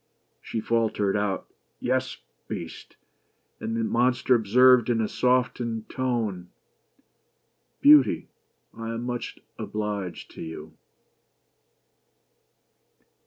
She faltered out — "Yes, Beast," and the monster observed in a softened tone —" Beauty, I am much obliged to you."